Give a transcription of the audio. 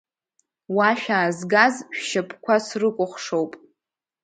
Уа шәаазгаз шәшьапқәа срыкәыхшоуп!